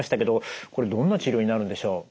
これどんな治療になるんでしょう？